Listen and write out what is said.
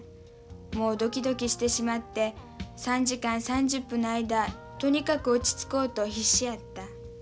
もうドキドキしてしまって３時間３０分の間とにかく落ち着こうと必死やった。